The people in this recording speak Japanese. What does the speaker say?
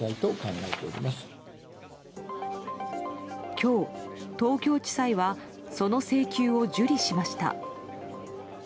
今日、東京地裁はその請求を受理しました。